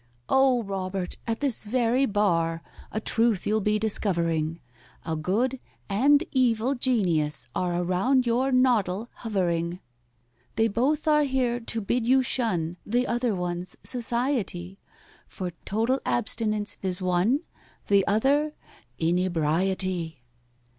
"Oh, ROBERT, at this very bar A truth you'll be discovering, A good and evil genius are Around your noddle hovering. "They both are here to bid you shun The other one's society, For Total Abstinence is one, The other, Inebriety."